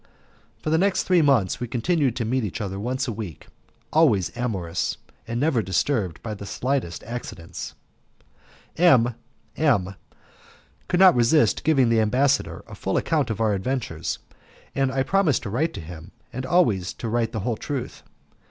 For the next three months we continued to meet each other once a week, always amorous, and never disturbed by the slightest accidents. M M could not resist giving the ambassador a full account of our adventures, and I had promised to write to him, and always to write the whole truth.